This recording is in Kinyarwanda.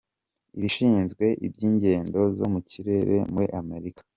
Ishinzwe iby’ingendo zo mu kirere muri Amerika.